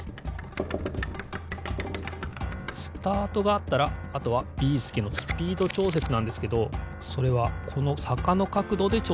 スタートがあったらあとはビーすけのスピードちょうせつなんですけどそれはこのさかのかくどでちょうせつしてます。